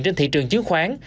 trên thị trường chứng khoán